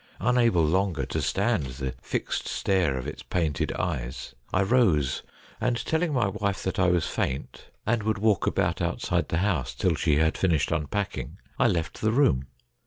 Unable longer to stand the fixed stare of its painted eyes, I rose, and, telling my wife that I was faint and would walk 128 STORIES WEIRD AND WONDERFUL about outside the house till she had finished unpacking, I left the room.